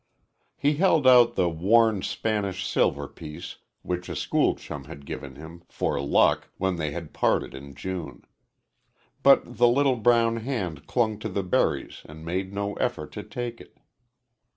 He held out the worn Spanish silver piece which a school chum had given him "for luck" when they had parted in June. But the little brown hand clung to the berries and made no effort to take it.